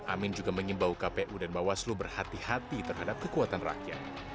amin juga mengimbau kpu dan bawaslu berhati hati terhadap kekuatan rakyat